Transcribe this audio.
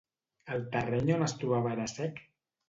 El terreny on es trobava era sec?